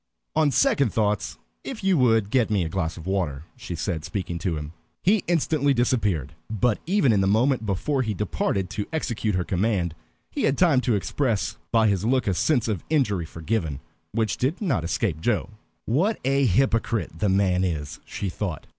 "On second thoughts if you would get me a glass of water" she said, speaking to him. He instantly disappeared; but even in the moment before he departed to execute her command he had time to express by his look a sense of injury forgiven, which did not escape Joe. "What a hypocrite the man is!" she thought.